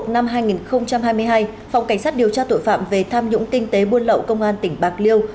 năm hai nghìn hai mươi hai phòng cảnh sát điều tra tội phạm về tham nhũng kinh tế buôn lậu công an tỉnh bạc liêu